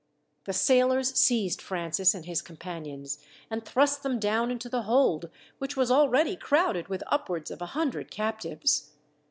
The sailors seized Francis and his companions, and thrust them down into the hold, which was already crowded with upwards of a hundred captives.